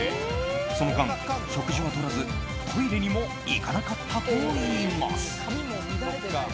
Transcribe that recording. その間、食事はとらずトイレにも行かなかったといいます。